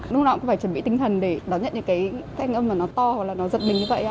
lúc nào cũng phải chuẩn bị tinh thần để đón nhận những cái thanh âm mà nó to hoặc là nó giật mình như vậy